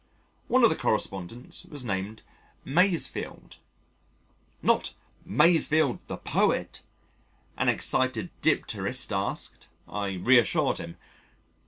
One of the correspondents was named "Masefield." "Not Masefield the poet?" an excited dipterist asked. I reassured him.